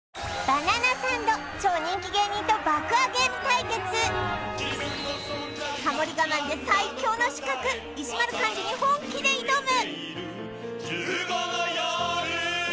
バナナサンド超人気芸人と爆上げむ対決ハモリ我慢で最強の刺客石丸幹二に本気で挑む